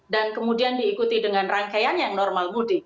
dan kemudian diikuti dengan rangkaian yang normal mudik